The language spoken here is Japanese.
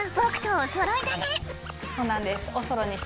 そうなんです。